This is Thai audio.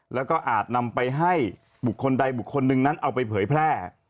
แล้วก็อาจนำไปให้บุคคลใดบุคคลหนึ่งนั้นเอาไปเผยแพร่